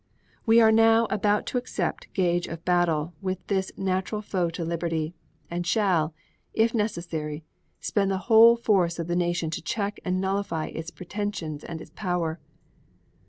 We are now about to accept gauge of battle with this natural foe to liberty and shall, if necessary, spend the whole force of the nation to check and nullify its pretensions and its power.